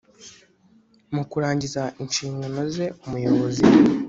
Mu kurangiza inshingano ze Umuyobozi